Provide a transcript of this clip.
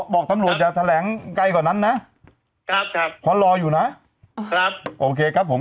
บอกทำโหลจะแถลงไกลก่อนนั้นนะครับครับพอรออยู่นะครับโอเคครับผม